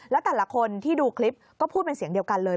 แล้วแต่ละคนที่ดูคลิปก็พูดเป็นเสียงเดียวกันเลย